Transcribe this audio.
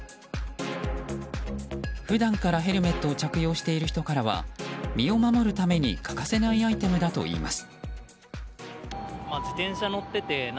普段からヘルメットを着用している人からは身を守るために欠かせないアイテムだといいます。